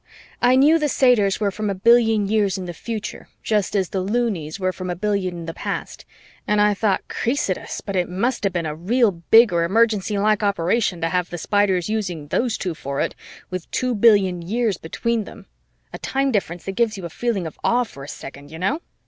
I knew the satyrs were from a billion years in the future, just as the Loonies were from a billion in the past, and I thought Kreesed us! but it must have been a real big or emergency like operation to have the Spiders using those two for it, with two billion years between them a time difference that gives you a feeling of awe for a second, you know.